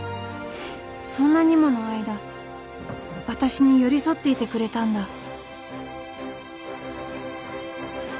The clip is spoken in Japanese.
そんなにもの間私に寄り添っていてくれたんだ